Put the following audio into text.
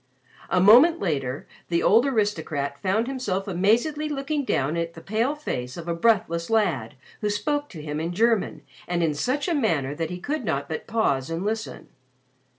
A moment later, the old aristocrat found himself amazedly looking down at the pale face of a breathless lad who spoke to him in German and in such a manner that he could not but pause and listen.